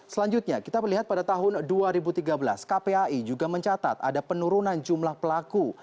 selanjutnya kita melihat pada tahun dua ribu tiga belas kpai juga mencatat ada penurunan jumlah pelaku